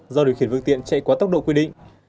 do điều khiển phương tiện chạy quá tốc độ quy định